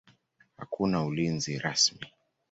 Hakuna ulinzi rasmi.